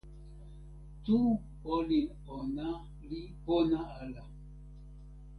tu olin ona li pona ala.